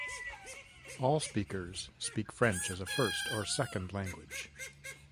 All speakers speak French as a first or second language.